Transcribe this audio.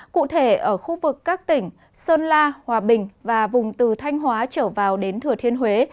cụ thể ở khu vực các tỉnh sơn la hòa bình và vùng từ thanh hóa trở vào đến thừa thiên huế